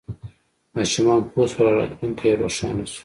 ماشومان پوه شول او راتلونکی یې روښانه شو.